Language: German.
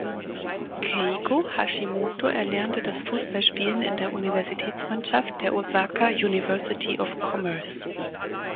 Keigo Hashimoto erlernte das Fußballspielen in der Universitätsmannschaft der "Osaka University of Commerce".